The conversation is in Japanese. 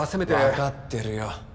わかってるよ。